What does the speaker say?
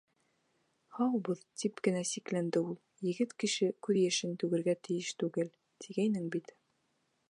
— Һаубыҙ, — тип кенә сикләнде ул. Егет кеше күҙ йәшен түгергә тейеш түгел, тигәйнең бит.